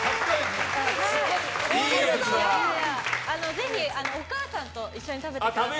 ぜひ、お母さんと一緒に食べてください。